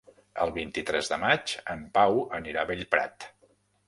El vint-i-tres de maig en Pau anirà a Bellprat.